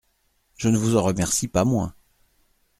Je ne vous en remercie pas moins…